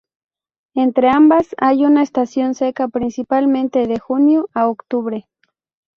Entre ambas hay una estación seca, principalmente de junio a octubre.